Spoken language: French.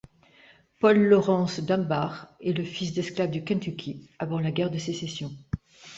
Paul Laurence Dunbar est le fils d’esclaves du Kentucky avant la Guerre de Sécession.